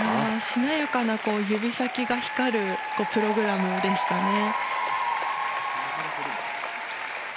しなやかな指先が光るプログラムでしたね。